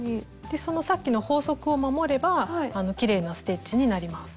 でそのさっきの法則を守ればきれいなステッチになります。